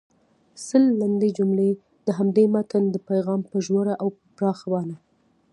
سل لنډې جملې د همدې متن د پیغام په ژوره او پراخه بڼه